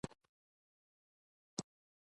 میندې باید د ماشوم وزن کنټرول کړي۔